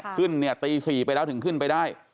ขึ้นเนี่ยตี๔ไปแล้วถึงขึ้นไปได้